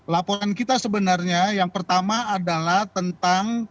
laporan kita sebenarnya yang pertama adalah tentang